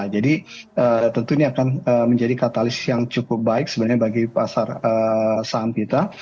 jadi tentu ini akan menjadi katalis yang cukup baik sebenarnya bagi pasar saham kita